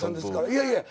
いやいや。